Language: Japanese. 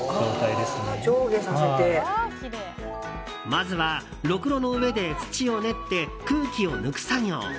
まずは、ろくろの上で土を練って空気を抜く作業。